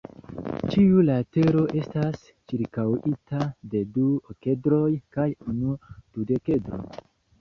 Ĉiu latero estas ĉirkaŭita de du okedroj kaj unu dudekedro.